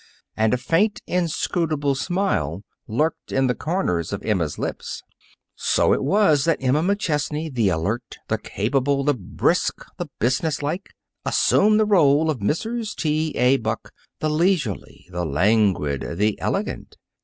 And a faint, inscrutable smile lurked in the corners of Emma's lips. So it was that Emma McChesney, the alert, the capable, the brisk, the business like, assumed the role of Mrs. T. A. Buck, the leisurely, the languid, the elegant.